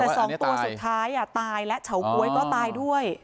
แต่๒ตัวสุดท้ายตายแล้วเฉาก๊วยก็ตายด้วย